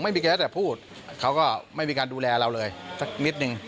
ไม่มีใครแล้วแต่พูดเขาก็ไม่มีการดูแลเราเลยสักนิดนึง